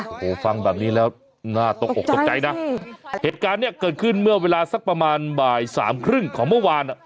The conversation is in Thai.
โอ้โหฟังแบบนี้แล้วน่าตกอกตกใจนะเหตุการณ์เนี่ยเกิดขึ้นเมื่อเวลาสักประมาณบ่ายสามครึ่งของเมื่อวานอ่ะ